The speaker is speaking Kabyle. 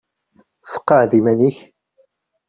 Seqɛed iman-ik.